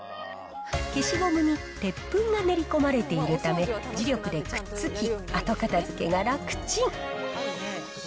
消しゴムに鉄粉が練り込まれているため、磁力でくっつき、後片づけが楽チン。